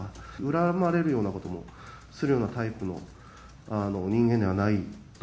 恨まれるようなことをするようなタイプの人間ではないと。